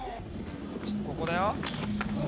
ここだよ。